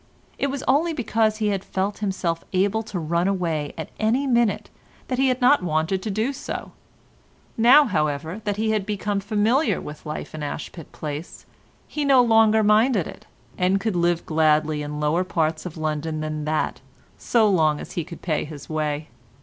It was only because he had felt himself able to run away at any minute that he had not wanted to do so; now, however, that he had become familiar with life in Ashpit Place he no longer minded it, and could live gladly in lower parts of London than that so long as he could pay his way.